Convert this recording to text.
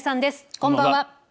こんばんは。